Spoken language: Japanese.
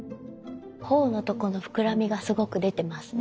頬のとこの膨らみがすごく出てますよね。